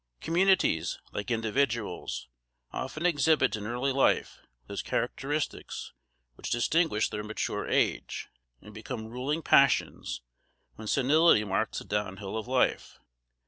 Communities, like individuals, often exhibit in early life those characteristics which distinguish their mature age, and become ruling passions when senility marks the downhill of life.